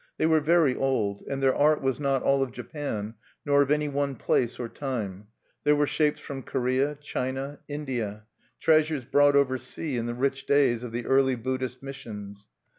They were very old; and their art was not all of Japan, nor of any one place or time: there were shapes from Korea, China, India, treasures brought over sea in the rich days of the early Buddhist missions.